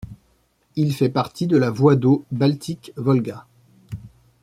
Il fait partie de la voie d'eau Baltique-Volga.